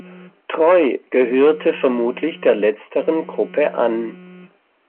Treu gehörte vermutlich der letzteren Gruppe an.